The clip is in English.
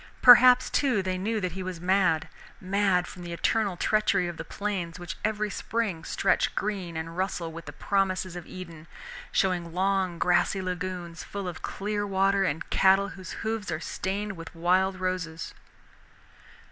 Perhaps, too, they knew that he was mad, mad from the eternal treachery of the plains, which every spring stretch green and rustle with the promises of Eden, showing long grassy lagoons full of clear water and cattle whose hoofs are stained with wild roses.